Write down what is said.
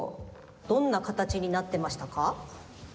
どんなかたちになってましたか？